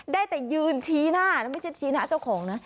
ได้แต่ยืนชี้หน้านะไม่ใช่ชี้หน้าเจ้าของนะ